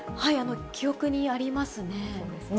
記憶にありますね。